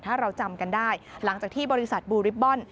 ถ้าเราจำกันได้หลังจากที่บริษัทบูริบบอล